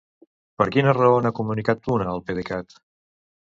Per quina raó n'ha comunicat una, el PDECat?